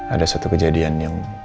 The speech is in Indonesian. ada satu kejadian yang